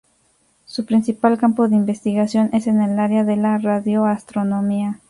Su principal campo de investigación es en el área de la radioastronomía.